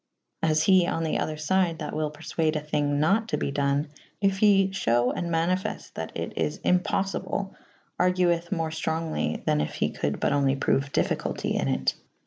As he on the other fyde that wyll perfuade a thynge nat to be done / yf he fhewe and manyfefte that it is [D iiii b] impoff ible / argueth more ftrongely than if he could but only proue difficulty in it.